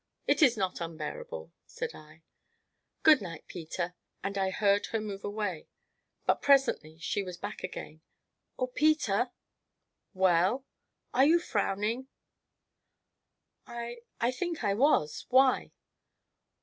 "It is not unbearable!" said I. "Good night, Peter!" and I heard her move away. But presently she was back again. "Oh, Peter?" "Well?" "Are you frowning?" "I I think I was why?"